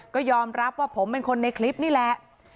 ก็ยอมรับว่าผมเป็นคนในคลิปนี่แหละ